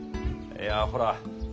いやほら。